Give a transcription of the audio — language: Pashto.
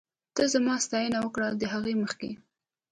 ته زما ستاينه وکړه ، د هغې مخکې